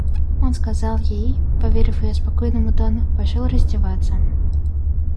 Он сказал ей и, поверив ее спокойному тону, пошел раздеваться.